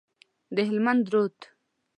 د هلمند رود،